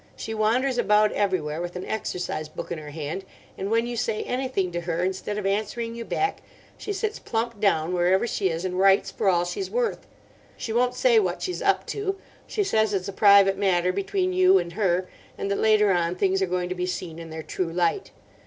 She wanders about everywhere with an exercise book in her hand, and when you say anything to her, instead of answering you back, she sits plump down wherever she is and writes for all she's worth. She won't say what she's up to. She says it's a private matter between you and her, and that later on things are going to be seen in their true light.